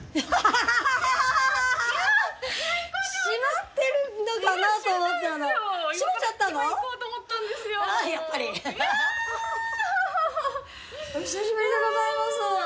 アハハハお久しぶりでございます